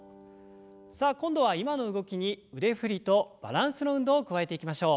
さあ今度は今の動きに腕振りとバランスの運動を加えていきましょう。